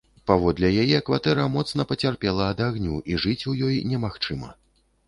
Паводле яе, кватэра моцна пацярпела ад агню і жыць у ёй немагчыма.